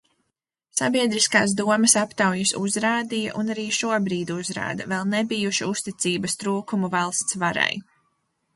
Sabiedriskās domas aptaujas uzrādīja un arī šobrīd uzrāda vēl nebijušu uzticības trūkumu valsts varai.